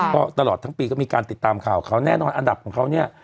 ก็ตลอดทั้งปีก็มีการติดตามข่าวเขาแน่นอนอันดับของเขาเนี่ย